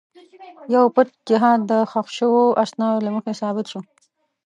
یو پټ جهاد د ښخ شوو اسنادو له مخې ثابت شو.